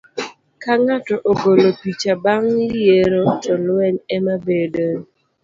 Ka ng'ato ogolo picha bang ' yiero, to lweny ema bedoe.